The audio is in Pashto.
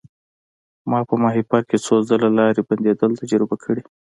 ما په ماهیپر کې څو ځله لارې بندیدل تجربه کړي.